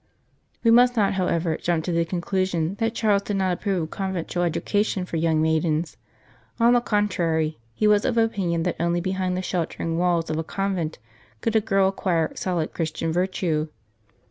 We must not, however, jump to the conclusion that Charles did not approve of conventual educa tion for young maidens ; on the contrary, he was of opinion that only behind the sheltering walls of a convent could a girl acquire solid Christian virtue.